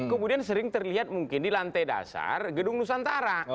kemudian sering terlihat mungkin di lantai dasar gedung nusantara